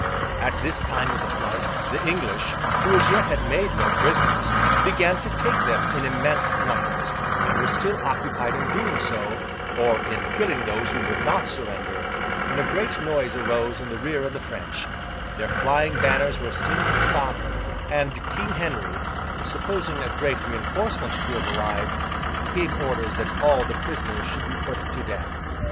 At this time of the fight, the English, who as yet had made no prisoners, began to take them in immense numbers, and were still occupied in doing so, or in killing those who would not surrender, when a great noise arose in the rear of the French—their flying banners were seen to stop—and King Henry, supposing a great reinforcement to have arrived, gave orders that all the prisoners should be put to death.